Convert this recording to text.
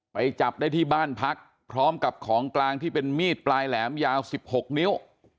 ไปจับได้ที่บ้านพักพร้อมกับของกลางที่เป็นมีดปลายแหลมยาว๑๖นิ้ว